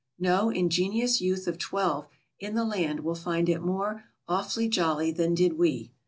No ingenious youth of twelve in the land will find it more "awfully jolly" than did we.